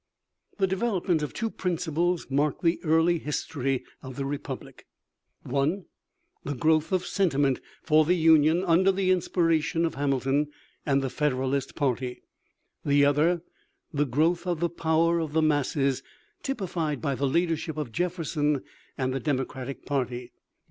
The development of two principles marked the early history of the Republic, one, the growth of sentiment for the Union under the inspiration of Hamilton and the Federalist party; the other, the growth of the power of the masses, typified by the leadership of Jefferson and the Democratic party.